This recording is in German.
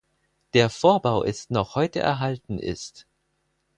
Der Vorbau ist noch heute erhalten ist.